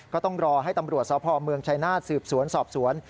ก็ต้องรอให้ตำรวจสพเมืองชายนาฏสืบสวนสอบสวน